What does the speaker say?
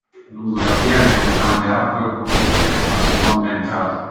Lungo la via vi è un grande arco che conduce a una seconda entrata.